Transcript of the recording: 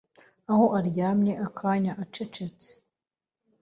aho aryamye akanya acecetse.